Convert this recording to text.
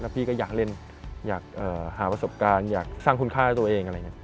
พี่ก็อยากเล่นอยากหาประสบการณ์อยากสร้างคุณค่าให้ตัวเองอะไรอย่างนี้